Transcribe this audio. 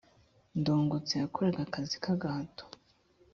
ndungutse yakoraga akazi k’agahato